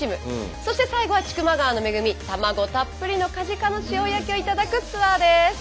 そして最後は千曲川の恵み卵たっぷりのかじかの塩焼きを頂くツアーです。